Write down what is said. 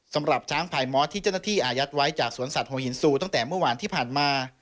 สำหรับช้างพายมอสที่เจ้าหน้าที่อายัดไว้จากสวนสัตหงหินซูตั้งแต่เมื่อวานที่ผ่านมา